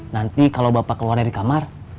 nanti kalau bapak keluar dari kamar